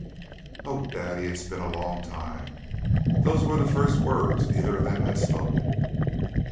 "Oh, daddy, it has been a long time!" Those were the first words either of them had spoken.